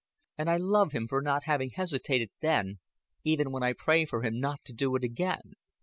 And I love him for not having hesitated then, even when I pray him not to do it again."